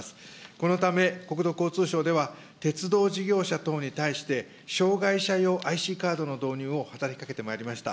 このため、国土交通省では、鉄道事業者等に対して障害者用ＩＣカードの導入を働きかけてまいりました。